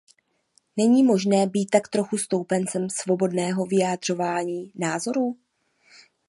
Není možné být tak trochu stoupencem svobodného vyjadřování názorů.